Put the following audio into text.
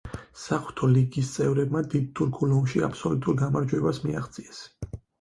საღვთო ლიგის წევრებმა დიდ თურქულ ომში აბსოლუტურ გამარჯვებას მიაღწიეს.